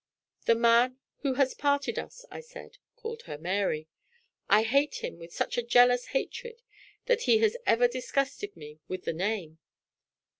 "The man who has parted us," I said, "called her Mary. I hate him with such a jealous hatred that he has even disgusted me with the name!